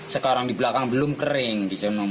sekarang di belakang belum kering